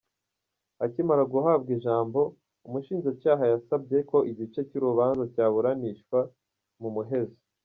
Akimara guhabwa ijambo, umushinjacyaha yasabye ko igice cy’urubanza cyaburanishwa mu muhezo.